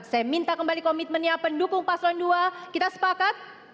saya minta kembali komitmennya pendukung paslon dua kita sepakat